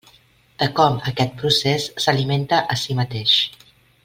De com aquest procés s'alimenta a si mateix.